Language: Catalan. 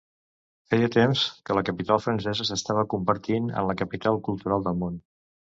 Feia temps que la capital francesa s'estava convertint en la capital cultural del món.